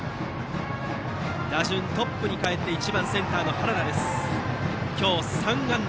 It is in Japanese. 打順はトップにかえって１番センター、原田。